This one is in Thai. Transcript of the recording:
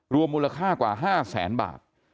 รวมมูลค่ากว่า๕แสนบาท